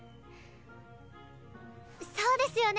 そうですよね？